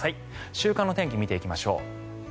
週間の天気を見ていきましょう。